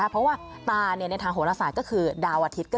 เพราะว่าตาในทางโหลศาสตร์ก็คือดาวอาทิตย์